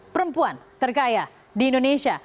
perempuan terkaya di indonesia